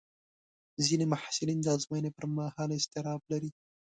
ځینې محصلین د ازموینې پر مهال اضطراب لري.